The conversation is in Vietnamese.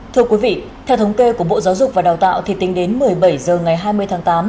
thưa quý vị theo thống kê của bộ giáo dục và đào tạo thì tính đến một mươi bảy h ngày hai mươi tháng tám